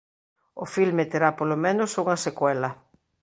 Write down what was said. O filme terá polo menos unha secuela.